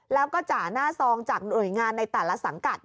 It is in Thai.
แล้วก็จ่าหน้าซองจากหน่วยงานในแต่ละสังกัด